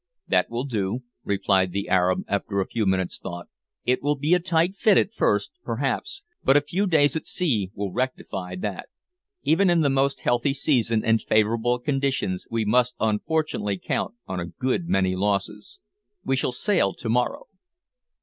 "That will do," returned the Arab after a few minutes' thought; "it will be a tight fit at first, perhaps, but a few days at sea will rectify that. Even in the most healthy season and favourable conditions we must unfortunately count on a good many losses. We shall sail to morrow."